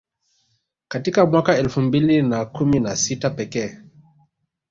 Katika mwaka elfu mbili na kumi na sita pekee